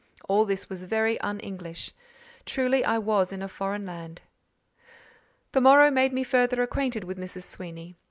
All this was very un English: truly I was in a foreign land. The morrow made me further acquainted with Mrs. Sweeny.